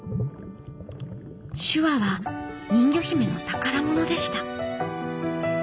手話は人魚姫の宝物でした。